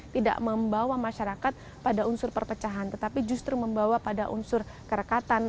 tidak membawa masyarakat pada unsur perpecahan tetapi justru membawa pada unsur kerekatan